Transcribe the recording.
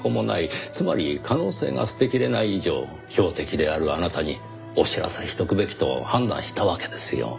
つまり可能性が捨てきれない以上標的であるあなたにお知らせしておくべきと判断したわけですよ。